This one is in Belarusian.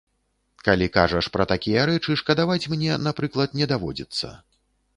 Калі кажаш пра такія рэчы, шкадаваць мне, напрыклад, не даводзіцца.